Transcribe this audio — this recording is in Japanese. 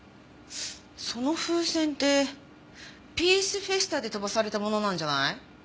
その風船ってピースフェスタで飛ばされたものなんじゃない？